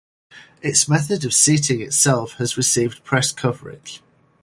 Its method of seating itself has received press coverage.